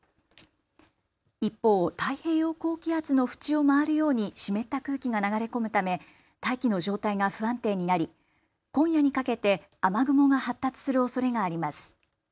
一方、太平洋高気圧の縁を回るように湿った空気が流れ込むため大気の状態が不安定になり今夜にかけて雨雲が発達するおそれがあります。